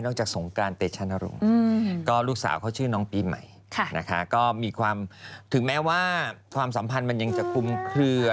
นอกจากศงการเตชนรุนก็ลูกสาวเขาชื่อน้องปีใหม่ถึงแม้ว่าความสัมผันมันจะยังคุ้มเคลือ